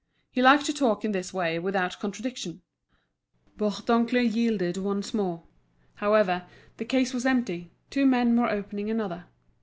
He liked to talk in this way without contradiction. Bourdoncle yielded once more. However, the case was empty, two men were opening another.